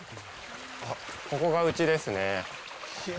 ここがうちですね。